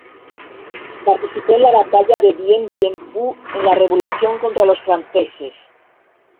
Participó en la Batalla de Dien Bien Phu en la revolución contra los franceses.